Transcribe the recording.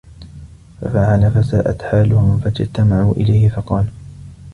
فَفَعَلَ فَسَاءَتْ حَالُهُمْ فَاجْتَمَعُوا إلَيْهِ فَقَالُوا